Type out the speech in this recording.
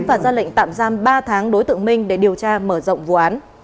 và ra lệnh tạm giam ba tháng đối tượng minh để điều tra mở rộng vụ án